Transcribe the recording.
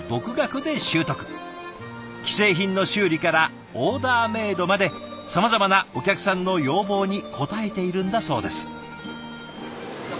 既製品の修理からオーダーメードまでさまざまなお客さんの要望に応えているんだそうです。